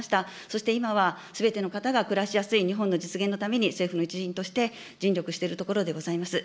そして今は、すべての方が暮らしやすい日本の実現のために政府の一員として尽力しているところでございます。